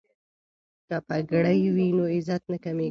که پګړۍ وي نو عزت نه کمیږي.